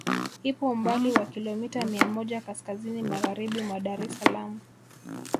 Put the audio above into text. Ipo umbali wa Kilomita mia moja kaskazini Magharibi mwa Dar es Salaam